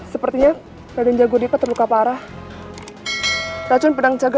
sepertinya aku baru melihatmu sekarang